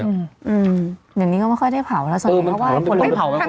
เดี๋ยวนี้ก็ไม่ค่อยได้เผาแล้วสมมุติว่าไหว้ผลไม่เผาแล้ว